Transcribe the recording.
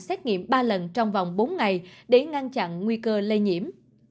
xét nghiệm ba lần trong vòng bốn ngày để ngăn chặn nguy cơ lây nhiễm